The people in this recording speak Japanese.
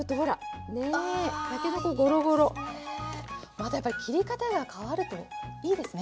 またやっぱり切り方が変わるといいですね。